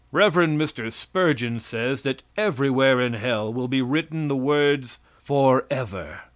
Rev. Mr. Spurgeon says that everywhere in hell will be written the words "for ever."